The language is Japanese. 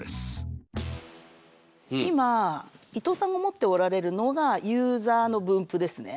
今伊藤さんが持っておられるのがユーザーの分布ですね。